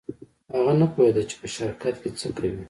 هغه نه پوهېده چې په شرکت کې څه کوي.